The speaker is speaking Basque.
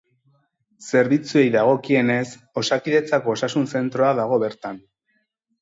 Zerbitzuei dagokienez, Osakidetzako osasun zentroa dago bertan.